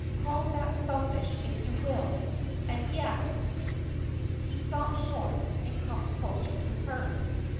"Call that selfish if you will and yet " He stops short, and comes closer to her.